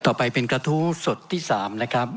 ต่อไปเป็นกระทู้สดที่๓นะครับ